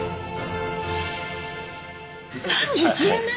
３１年目？